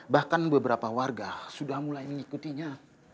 bahkan beberapa warga sudah mulai mengikutinya